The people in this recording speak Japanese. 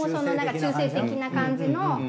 中性的な感じの。